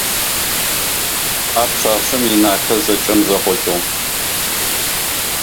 Выражение ее лица мгновенно изменилось.